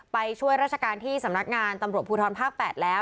ไปช่วยราชการที่สำนักงานตำรวจภูทรภาค๘แล้ว